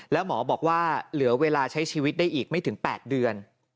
แล้วหมอบอกว่าเหลือเวลาใช้ชีวิตได้อีกไม่ถึง๘เดือน